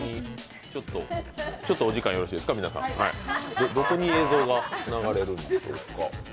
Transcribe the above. ちょっとお時間よろしいですか、皆さんどこに映像が流れるんですか？